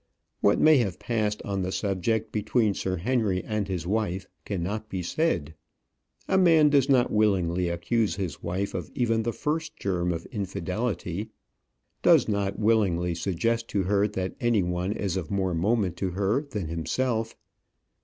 What may have passed on the subject between Sir Henry and his wife cannot be said. A man does not willingly accuse his wife of even the first germ of infidelity; does not willingly suggest to her that any one is of more moment to her than himself.